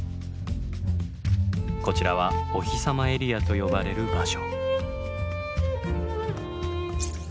こちらは「おひさまエリア」と呼ばれる場所。